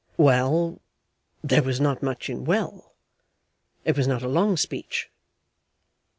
Well. There was not much in well. It was not a long speech.